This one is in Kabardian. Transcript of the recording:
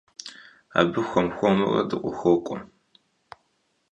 Абы хуэм-хуэмурэ дыхуокӏуэ.